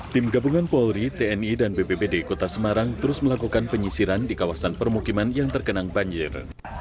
tim gabungan polri tni dan bpbd kota semarang terus melakukan penyisiran di kawasan permukiman yang terkenang banjir